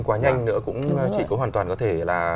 quá nhanh nữa cũng chỉ có hoàn toàn có thể là